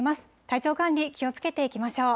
体調管理気をつけていきましょう。